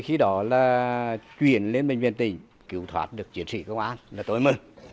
khi đó là chuyển lên bệnh viện tỉnh cứu thoát được chiến sĩ công an là tôi mừng